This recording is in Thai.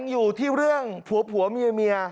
อยู่ที่เรื่องผัวเมีย